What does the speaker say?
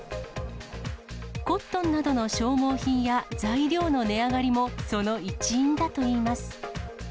コットンなどの消耗品や材料の値上がりもその一因だといいます。